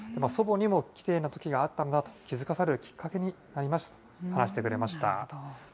祖母にもきれいなときがあったんだと、気付かされるきっかけになりましたと、話してくれました。